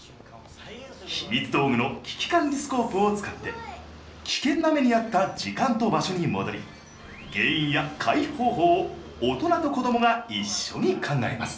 秘密道具のキキカンリスコープを使って危険な目に遭った時間と場所に戻り原因や回避方法を大人と子どもが一緒に考えます。